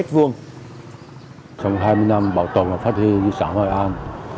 trong hai mươi năm bảo tồn và phát huy di sản hội an